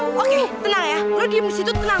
oke tenang ya lo diem di situ tenang